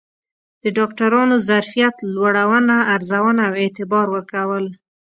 د ډاکترانو ظرفیت لوړونه، ارزونه او اعتبار ورکول